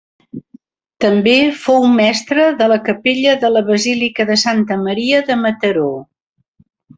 També fou mestre de capella de la Basílica de Santa Maria de Mataró.